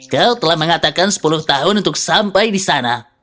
kau telah mengatakan sepuluh tahun untuk sampai di sana